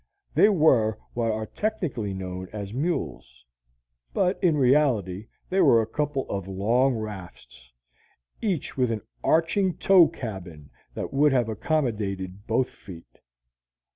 They were what are technically known as mules, but in reality they were a couple of long rafts, each with an arching toe cabin that would have accommodated both feet.